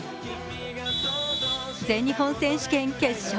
全日本選手権決勝。